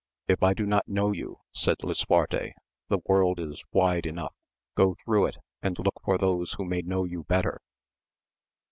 If I do not know you, said Lisuarte, the world is wide enough ; go through it, and look for those who may know you better.